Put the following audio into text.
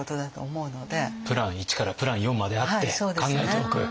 プラン１からプラン４まであって考えておく。